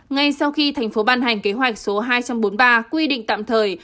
ngay sau khi thành phố ban hành kế hoạch số hai trăm bốn mươi ba quy định tạm thời